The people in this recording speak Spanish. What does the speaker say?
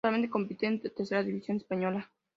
Actualmente compite en la Tercera división española.